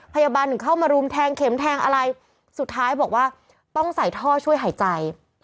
พยาบาลถึงเข้ามารุมแทงเข็มแทงอะไรสุดท้ายบอกว่าต้องใส่ท่อช่วยหายใจ